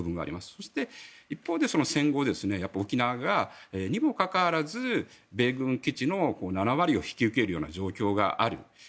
そして、一方で戦後沖縄が、にもかかわらず米軍基地の７割を引き受けるような状況がある。